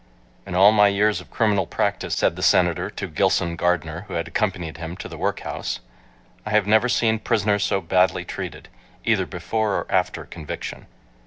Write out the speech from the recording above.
"In all my years of criminal practice," said the Senator to Gilson Gardner, who had accompanied him to the workhouse, "I have never seen prisoners so badly treated, either before or after conviction."